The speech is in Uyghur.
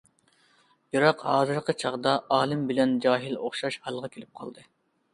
بىراق ھازىرقى چاغدا ئالىم بىلەن جاھىل ئوخشاش ھالغا كېلىپ قالدى.